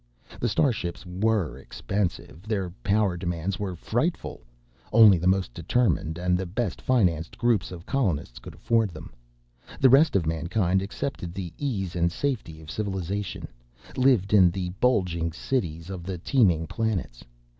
The starships were expensive: their power demands were frightful. Only the most determined—and the best financed—groups of colonists could afford them. The rest of mankind accepted the ease and safety of civilization, lived in the bulging cities of the teeming planets.